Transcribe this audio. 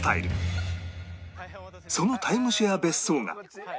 そのタイムシェア別荘が